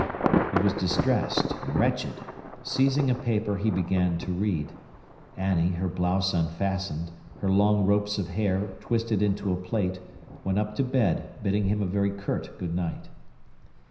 He was distressed and wretched. Seizing a paper, he began to read. Annie, her blouse unfastened, her long ropes of hair twisted into a plait, went up to bed, bidding him a very curt good night.